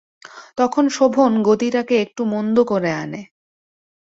তখন শোভন গতিটাকে একটু মন্দ করে আনে।